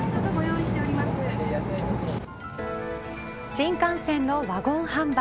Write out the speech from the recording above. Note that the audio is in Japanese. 新幹線のワゴン販売。